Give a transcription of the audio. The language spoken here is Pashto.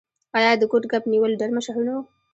آیا د کوډ کب نیول ډیر مشهور نه و؟